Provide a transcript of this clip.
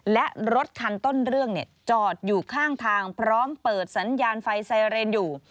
และรถคันต้นเรื่องจอดอยู่ข้างทางพร้อมเปิดสัญญาณไฟไซเรนอยู่